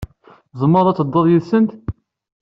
Tzemreḍ ad tedduḍ yid-sent.